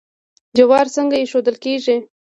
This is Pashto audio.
جوار څنګه ایښودل کیږي؟